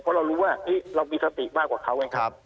เพราะเรารู้ว่าเรามีสัตว์ติกมากกว่าเขา